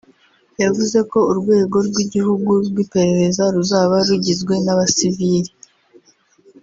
yavuze ko Urwego rw’Igihugu rw’Iperereza ruzaba rugizwe n’abasivili